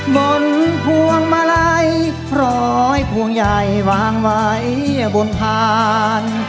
พวงมาลัยพร้อยพวงใหญ่วางไว้บนพาน